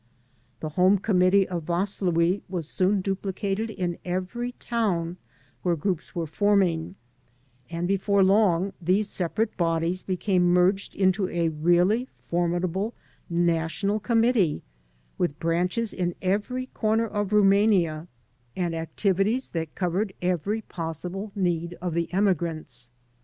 The home com mittee of Vaslui was soon duplicated in every town where groups were fonmng, and before long these separate bodies became merged into a really formidable national committee, with branches in every comer of Rumania and activities that covered every possible 40 TO AMERICA ON FOOT need of the emigrants.